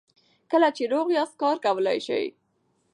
کله چې روغ یاست کار کولی شئ.